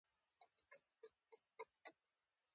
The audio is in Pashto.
د جدي ستونځو سره مخامخ